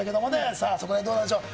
さあ、そこらへんどうなんでしょう。